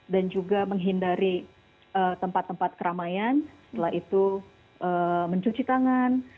dan juga menghindari tempat tempat keramaian setelah itu mencuci tangan